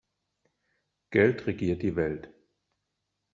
Geld regiert die Welt.